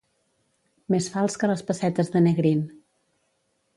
Més fals que les pessetes de Negrín.